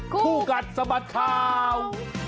คู่กันสมัดข่าว